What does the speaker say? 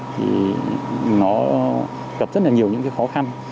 thì nó gặp rất là nhiều những khó khăn